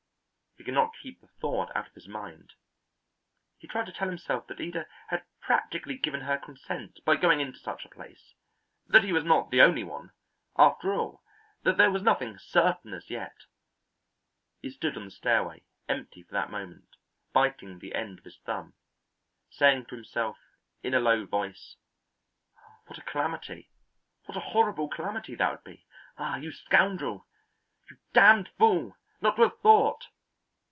He could not keep the thought out of his mind. He tried to tell himself that Ida had practically given her consent by going into such a place; that he was not the only one, after all; that there was nothing certain as yet. He stood on the stairway, empty for that moment, biting the end of his thumb, saying to himself in a low voice: "What a calamity, what a horrible calamity that would be! Ah, you scoundrel! You damned fool, not to have thought!"